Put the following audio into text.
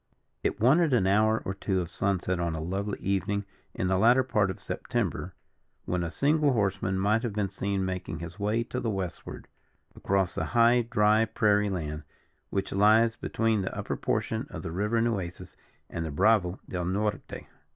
It wanted an hour or two of sunset on a lovely evening in the latter part of September, when a single horseman might have been seen making his way to the westward, across the high dry prairie land, which lies between the upper portion of the river Nueces and the Bravo del Norte.